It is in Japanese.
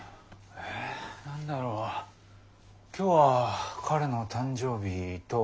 え何だろ今日は彼の誕生日と。